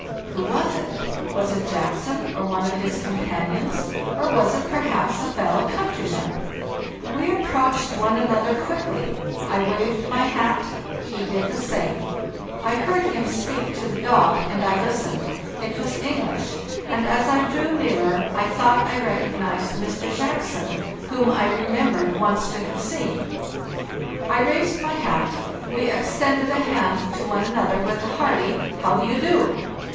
Who was it? Was it Jackson, or one of his companions, or was it perhaps a fellow countryman? We approached one another quickly. I waved my hat; he did the same. I heard him speak to the dog, and I listened. It was English, and as I drew nearer I thought I recognized Mr. Jackson, whom I remembered once to have seen. "T raised my hat; we extended a hand to one another, with a hearty 'How do you do?